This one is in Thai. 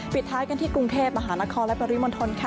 ปิดท้ายกันที่กรุงเทพมหานครและปริมณฑลค่ะ